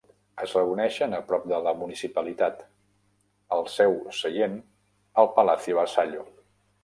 Es reuneixen a prop de la municipalitat, al seu seient al Palacio Vassallo.